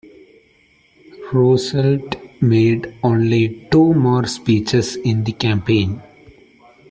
Roosevelt made only two more speeches in the campaign.